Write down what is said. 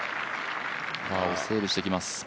パーをセーブしてきます。